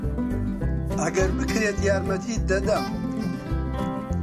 ئەگەر بکرێت یارمەتیت دەدەم.